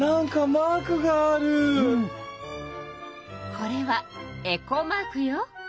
これはエコマークよ。